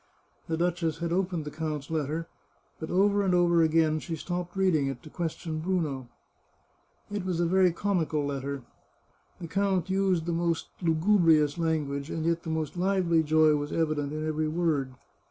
The duchess had opened the count's letter, but over and over again she stopped reading it to question Bruno. It was a very comical letter. The count used the most lugubrious language, and yet the most lively joy was evident in every word.